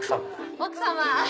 奥様。